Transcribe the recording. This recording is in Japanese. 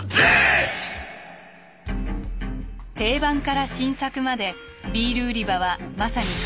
定番から新作までビール売り場はまさに過当競争の最前線。